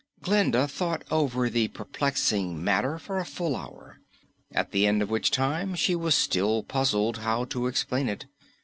Glinda thought over the perplexing matter for a full hour, at the end of which time she was still puzzled how to explain it.